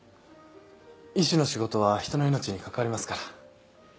医師の仕事は人の命に関わりますから。